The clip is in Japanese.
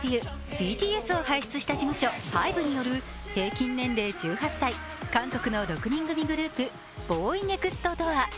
ＢＴＳを輩出した事務所、ＨＹＢＥによる平均年齢１８歳、韓国の６人組グループＢＯＹＮＥＸＴＤＯＯＲ。